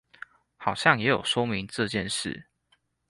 好像有說明這件事